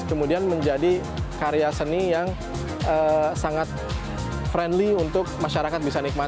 kemudian menjadi karya seni yang sangat friendly untuk masyarakat bisa nikmati